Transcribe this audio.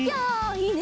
いいね！